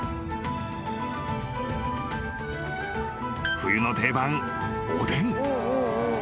［冬の定番おでん］